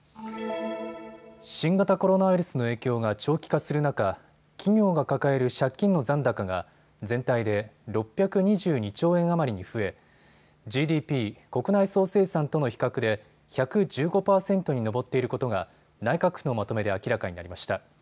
新型コロナウイルスの影響が長期化する中、企業が抱える借金の残高が全体で６２２兆円余りに増え、ＧＤＰ・国内総生産との比較で１１５％に上っていることが内閣府のまとめで明らかになりました。